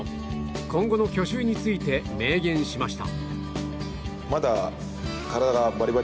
今後の去就について明言しました。